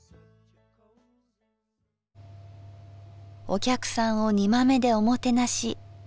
お客さんを煮豆でおもてなし。